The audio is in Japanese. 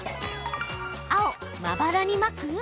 青・まばらにまく？